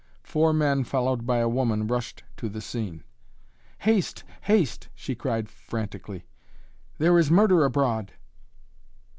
Four men followed by a woman rushed to the scene. "Haste! Haste!" she cried frantically. "There is murder abroad!"